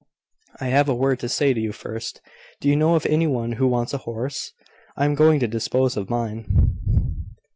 "I have a word to say to you first. Do you know of any one who wants a horse? I am going to dispose of mine."